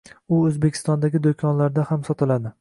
u Oʻzbekistondagi doʻkonlarda ham sotiladi